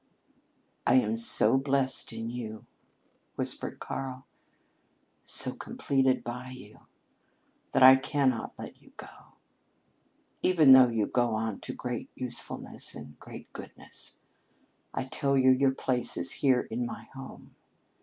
"I am so blessed in you," whispered Karl, "so completed by you, that I cannot let you go, even though you go on to great usefulness and great goodness. I tell you, your place is here in my home.